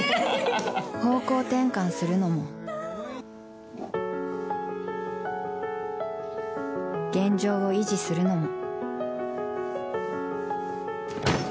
方向転換するのも現状を維持するのも。